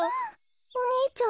お兄ちゃん。